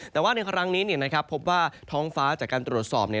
แต่ว่าในครั้งนี้พบว่าท้องฟ้าจากการตรวจสอบ